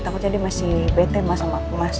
takutnya dia masih bete mas sama aku mas